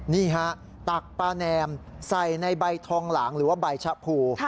นี่ฮะตักปลาแนมใส่ในใบทองหลางหรือว่าใบชะพู